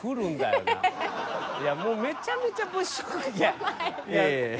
「いやもうめちゃめちゃ物色いや」